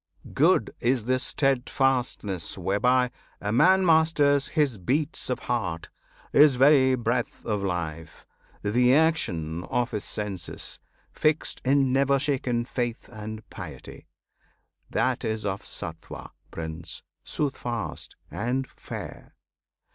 Good is the steadfastness whereby a man Masters his beats of heart, his very breath Of life, the action of his senses; fixed In never shaken faith and piety: That is of Sattwan, Prince! "soothfast" and fair!